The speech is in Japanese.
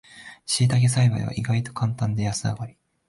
しいたけ栽培は意外とカンタンで安上がり